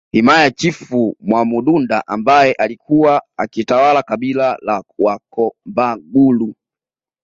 Himaya ya Chifu Mwamududa ambaye alikuwa akitawala kabila la Wakombagulu